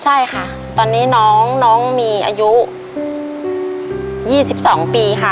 ใช่ค่ะตอนนี้น้องมีอายุ๒๒ปีค่ะ